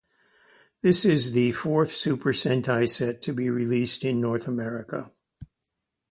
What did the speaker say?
This is the fourth Super Sentai set to be released in North America.